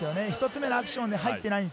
１つ目のアクションで入ってないんです。